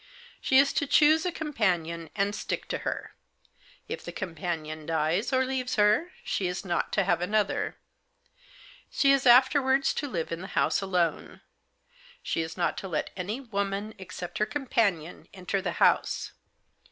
She is to choose a companion, and stick to her. If the companion dies, or leaves her, she is not to have another. She is afterwards to live in the house alone. She is not to let any woman, 4 Digitized by 60 THE JOSS. except her companion, enter the house.